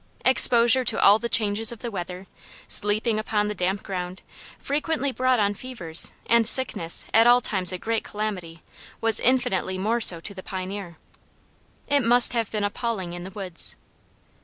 Exposure to all the changes of the weather sleeping upon the damp ground, frequently brought on fevers; and sickness, at all times a great calamity, was infinitely more so to the pioneer. It must have been appalling in the woods.